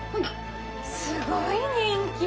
すごい人気。